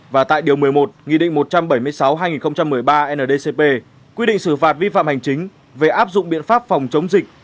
và tại điều một mươi một nghị định một trăm bảy mươi sáu hai nghìn một mươi ba ndcp quy định xử phạt vi phạm hành chính về áp dụng biện pháp phòng chống dịch